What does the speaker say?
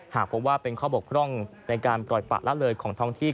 หากพบว่าเป็นข้อบกพร่องในการปล่อยปะละเลยของท้องที่